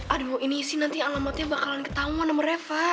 aduh ini sih nanti alamatnya bakalan ketahuan sama reva